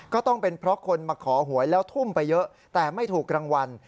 ก็ต้องเป็นเพราะคนมาขอหวยแล้วทุ่มไปเยอะแต่ไม่ถูกรางวัล